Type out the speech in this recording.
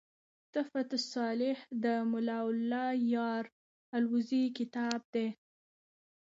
"تحفه صالح" دملا الله یار الوزي کتاب دﺉ.